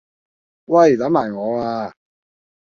喂等埋我呀